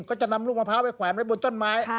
ก็จะนำลูกมะพร้าวไปแขวนไว้บนต้นไม้